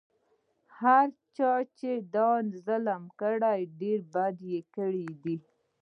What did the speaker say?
هر چا چې دا ظلم کړی ډېر بد یې کړي دي.